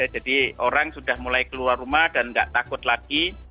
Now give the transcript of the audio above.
jadi orang sudah mulai keluar rumah dan tidak takut lagi